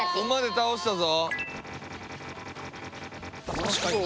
倒したぞ。